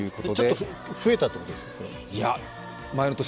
ちょっと増えたということですか？